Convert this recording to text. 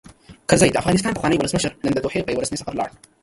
کرزی؛ د افغانستان پخوانی ولسمشر، نن دوحې ته په یوه رسمي سفر ولاړ.